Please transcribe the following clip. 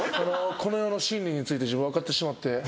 この世の真理について自分分かってしまって。